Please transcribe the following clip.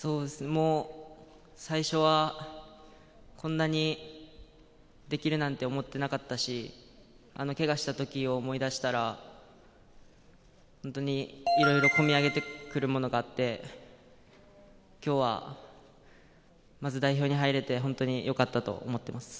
最初はこんなにできるなんて思っていなかったし、けがした時を思い出したら、本当にいろいろ込み上げてくるものがあって、今日はまず代表に入れて本当によかったと思っています。